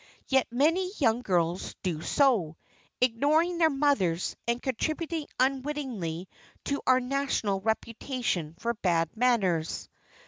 Yet many young girls do so, ignoring their mothers and contributing unwittingly to our national reputation for bad manners.